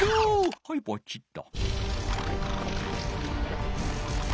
はいポチッと。